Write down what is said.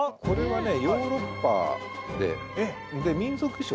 これはねヨーロッパで。